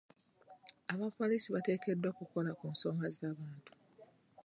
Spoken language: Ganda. Abapoliisi bateekeddwa kukola ku nsonga z'abantu.